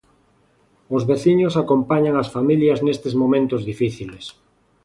Os veciños acompañan as familias nestes momentos difíciles.